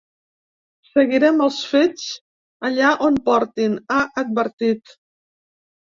“Seguirem els fets allà on portin”, ha advertit.